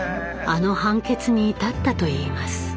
あの判決に至ったといいます。